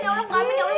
enggak amin ya allah